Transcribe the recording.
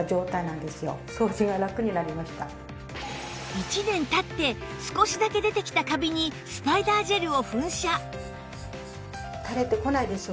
１年経って少しだけ出てきたカビにスパイダージェルを噴射